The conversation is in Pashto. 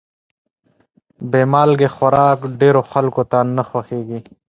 بې مالګې خوراک ډېرو خلکو ته نه خوښېږي.